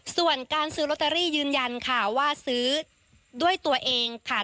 ส่วนการซื้อลอตเตอรี่ยืนยันค่ะว่าซื้อด้วยตัวเองค่ะ